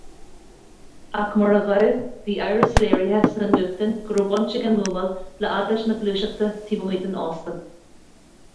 Ach mura ghabh, bhí amhras léirithe sna nuachtáin go raibh baint ag an mbuamáil le hagóid na Gluaiseachta taobh amuigh den óstán.